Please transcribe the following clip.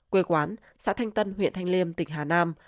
quê quán xã thanh tân huyện thanh liêm tỉnh hà nam